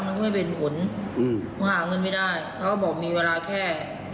มันก็ไม่เป็นผลเพราะหาเงินไม่ได้เขาก็บอกมีเวลาแค่